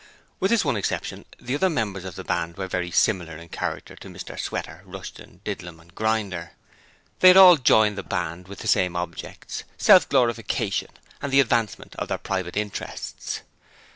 With this one exception, the other members of the band were very similar in character to Sweater, Rushton, Didlum and Grinder. They had all joined the Band with the same objects, self glorification and the advancement of their private interests.